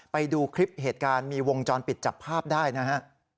ไปดูคลิปเหตุการณ์มีวงจรปิดจับภาพได้นะฮะ